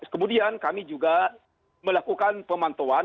kemudian kami juga melakukan pemantauan